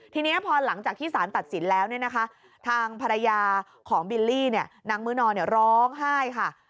ทีนี้พอหลังจากที่สารตัดสินแล้วทางภรรยาของบิลลี่นางมื้อนอนร้องไห้ค่ะ